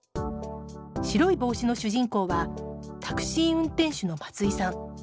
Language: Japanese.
「白いぼうし」の主人公はタクシー運転手の松井さん。